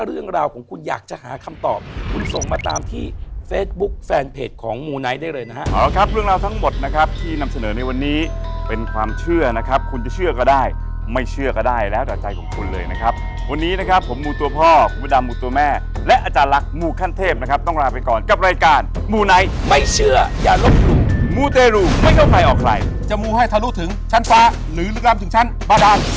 เราก็ว่าร้านนี้เป็นร้านที่เครื่องชื่อที่สุดคนมาทีไรจะต้องสั่งปลาเป็นตัว